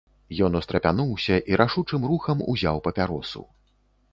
Ён устрапянуўся і рашучым рухам узяў папяросу.